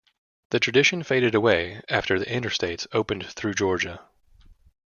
The tradition faded away after the interstates opened through Georgia.